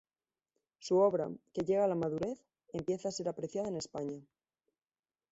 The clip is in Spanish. Su obra, que llega a la madurez, empieza a ser apreciada en España.